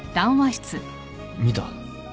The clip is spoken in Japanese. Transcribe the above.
見た？